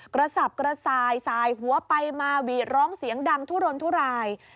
สับกระสายสายหัวไปมาหวีดร้องเสียงดังทุรนทุราย